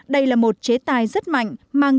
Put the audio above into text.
đây là một chế tài rất mạnh